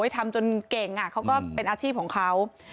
ทำจนเก่งอะเค้าเป็นอาชีพของเค้า